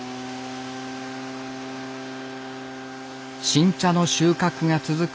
新茶の収穫が続く